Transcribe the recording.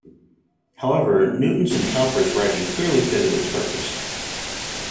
However, Newton's and Cowper's writing clearly fitted its purpose.